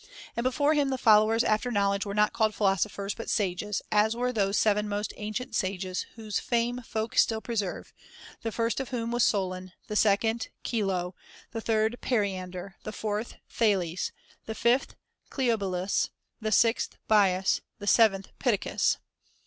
And before him the followers after knowledge were not called philosophers but sages, as were those seven most ancient sages whose fame folk still preserve, the first of whom was Solon, the second Chilo, the third Periander, the fourth Thales, the fifth Cleobulus, the sixth Bias, the seventh Pittacus.